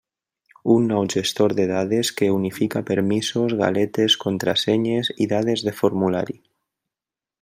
Un nou gestor de dades que unifica permisos, galetes, contrasenyes i dades de formulari.